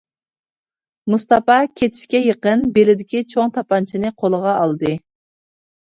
مۇستاپا كېتىشكە يېقىن بىلىدىكى چوڭ تاپانچىنى قولىغا ئالدى.